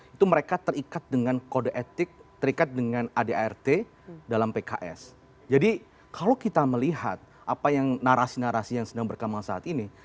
itu mereka terikat dengan kode etik terikat dengan adart dalam pks jadi kalau kita melihat apa yang narasi narasi yang sedang berkembang saat ini